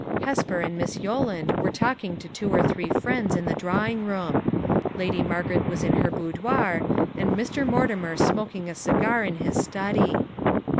Hesper and Miss Yolland were talking to two or three friends in the drawing room; Lady Margaret was in her boudoir, and Mr. Mortimer smoking a cigar in his study.